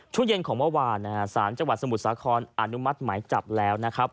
ช่วงเย็นของเมื่อวานนะฮะสารจังหวัดสมุทรสาครอนุมัติหมายจับแล้วนะครับ